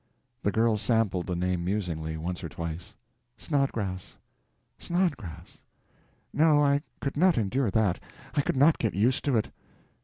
The girl sampled the name musingly, once or twice— "Snodgrass. Snodgrass. No, I could not endure that. I could not get used to it.